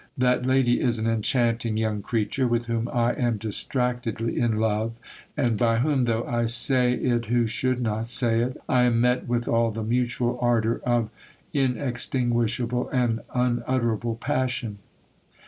That lady is an enchanting young creature, with whom I am distractedly in love, and by whom, though I say it who should not say it, I am met with all the mutual ardour of inextinguishable and unutterable passion.